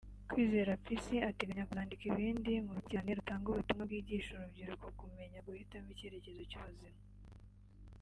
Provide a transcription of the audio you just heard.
Kwizera Peace ateganya kuzandika ibindi mu rukurikirane rutanga ubutumwa bwigisha urubyiruko kumenya guhitamo icyerekezo cy’ubuzima